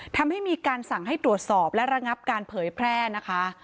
ทำให้มีการสั่งให้ตรวจสอบและระงับการเผยแพร่นะคะ